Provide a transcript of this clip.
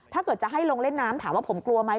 ถ้าเกิดจะให้ลงเล่นน้ำถามว่าผมกลัวไหม